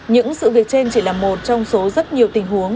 những sự việc trên chỉ là một trong số rất nhiều tình huống